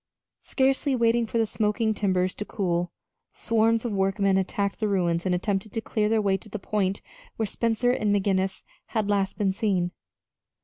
Scarcely waiting for the smoking timbers to cool, swarms of workmen attacked the ruins and attempted to clear their way to the point where Spencer and McGinnis had last been seen.